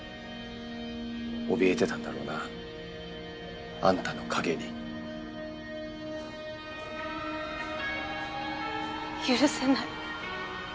怯えてたんだろうなあんたの影に許せない。